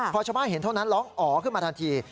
พอชาวบ้านเห็นเท่านั้นร้องอ๋อขึ้นมาทันที